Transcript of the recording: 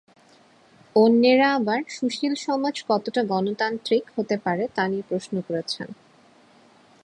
অন্যেরা আবার সুশীল সমাজ কতটা গণতান্ত্রিক হতে পারে তা নিয়ে প্রশ্ন করেছেন।